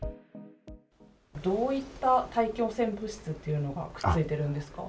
どういった大気汚染物質っていうのがくっついているんですか